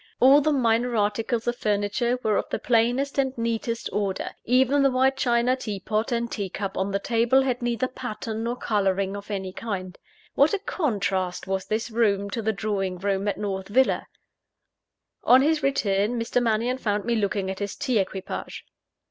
All the minor articles of furniture were of the plainest and neatest order even the white china tea pot and tea cup on the table, had neither pattern nor colouring of any kind. What a contrast was this room to the drawing room at North Villa! On his return, Mr. Mannion found me looking at his tea equipage.